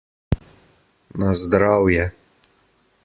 Na zdravje!